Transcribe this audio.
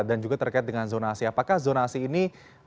dan juga terkait dengan zona asi apakah zona asi ini